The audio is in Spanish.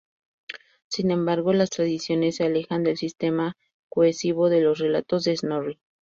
Sin embargo, las tradiciones se alejan del sistema cohesivo de los relatos de Snorri.